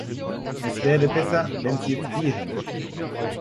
Es wäre besser, wenn Sie jetzt gehen.